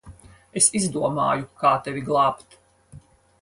Es izdomāju, kā tevi glābt.